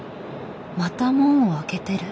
また門を開けてる。